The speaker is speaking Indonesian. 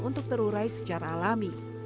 untuk terurai secara alami